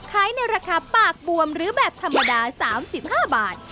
ขายในราคาปากบวมหรือแบบธรรมดา๓๕บาท